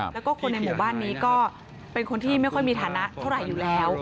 แล้วก็คนในหมู่บ้านนี้ก็เป็นคนที่ไม่ค่อยมีฐานะเท่าไหร่อยู่แล้ว